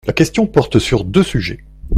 La question porte sur deux sujets.